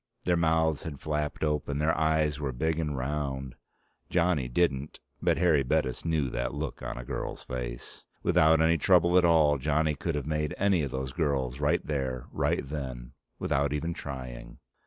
Their mouths had flapped open, their eyes were big and round. Johnny didn't, but Harry Bettis knew that look on a girl's face. Without any trouble at all, Johnny could have made any of those girls, right there, right then, without even trying.